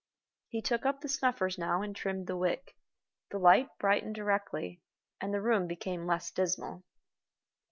He took up the snuffers now and trimmed the wick. The light brightened directly, and the room became less dismal.